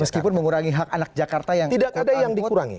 meskipun mengurangi hak anak jakarta yang